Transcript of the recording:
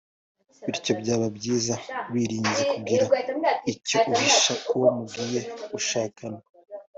Bityo byaba byiza wirinze kugira icyo uhisha uwo mugiye gushakana